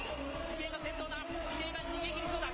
池江が逃げきりそうだ。